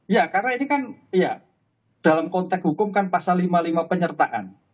ya karena ini kan ya dalam konteks hukum kan pasal lima puluh lima penyertaan